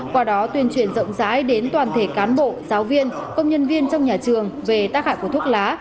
qua đó tuyên truyền rộng rãi đến toàn thể cán bộ giáo viên công nhân viên trong nhà trường về tác hại của thuốc lá